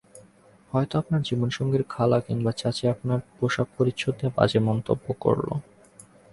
হয়তো আপনার জীবনসঙ্গীর খালা কিংবা চাচি আপনার পোশাক-পরিচ্ছদ নিয়ে বাজে মন্তব্য করল।